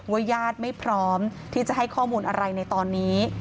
ญาติไม่พร้อมที่จะให้ข้อมูลอะไรในตอนนี้